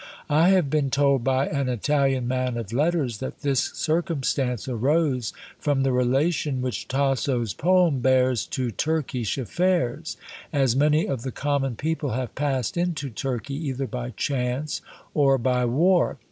I have been told by an Italian man of letters, that this circumstance arose from the relation which Tasso's poem bears to Turkish affairs; as many of the common people have passed into Turkey either by chance or by war.